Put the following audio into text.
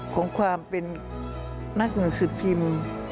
ของความเป็นนักหนังสือพิมพ์